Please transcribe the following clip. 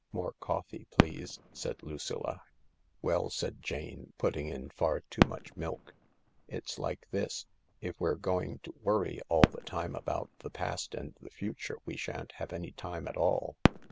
"More coffee, please," said Lucilla. "Well," said Jane, putting in far too much milk, "it's like this. If we're going to worry all the time about the past and the future we shan't have any time at all.